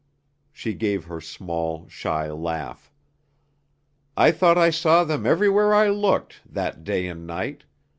She gave her small, shy laugh. "I thought I saw them everywhere I looked that day and night.